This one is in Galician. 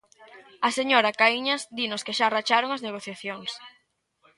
A señora Caíñas dinos que xa racharon as negociacións.